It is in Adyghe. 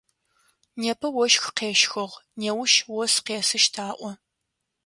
Непэ ощх къещхыгъ, неущ ос къесыщт аӏо.